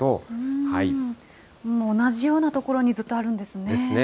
同じような所にずっとあるんですね。